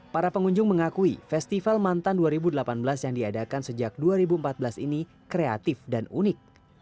para pengunjung mengakui festival mantan dua ribu delapan belas yang diadakan sejak dua ribu empat belas ini kreatif dan unik